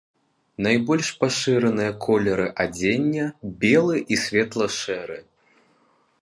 Найбольш пашыраныя колеры адзення белы і светла-шэры.